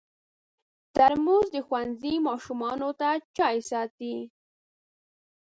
ترموز د ښوونځي ماشومانو ته چای ساتي.